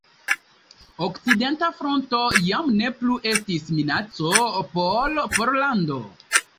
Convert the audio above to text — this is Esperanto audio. Okcidenta Fronto jam ne plu estis minaco por Pollando.